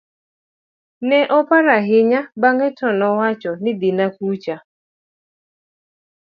ne oparo ahinya bang'e to nowacho ni dhina kucha